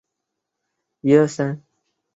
石板滩镇是湖南常德市鼎城区下属的一个镇。